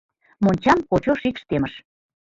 Мончам кочо шикш темыш.